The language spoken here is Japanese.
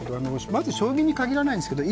まず将棋に限らないんですけど